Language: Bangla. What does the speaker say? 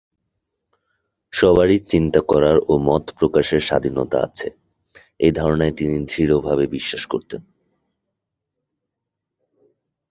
সবারই চিন্তা করার ও মত প্রকাশের স্বাধীনতা আছে, এ ধারণায় তিনি দৃঢ়ভাবে বিশ্বাস করতেন।